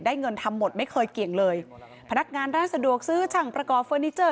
เงินทำหมดไม่เคยเกี่ยงเลยพนักงานร้านสะดวกซื้อช่างประกอบเฟอร์นิเจอร์